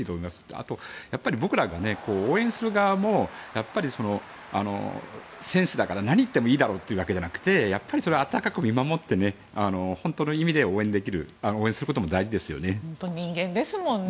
あと、僕らが応援する側も選手だから何を言ってもいいだろうってわけではなくてやっぱり温かく見守って本当の意味で応援することも大事ですよね。